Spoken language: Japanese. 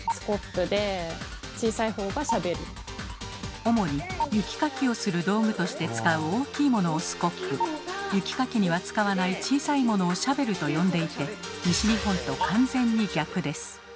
主に雪かきをする道具として使う大きいものをスコップ雪かきには使わない小さいものをシャベルと呼んでいて西日本と完全に逆です。